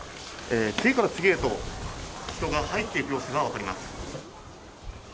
次から次へと人が入っていく様子が分かります。